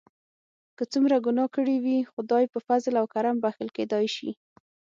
که څومره ګناه کړي وي خدای په فضل او کرم بښل کیدای شي.